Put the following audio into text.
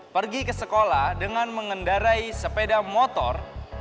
pergi ke sekolah dengan mengendarai sepeda motor